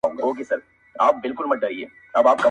په څو ځلي مي ستا د مخ غبار مات کړی دی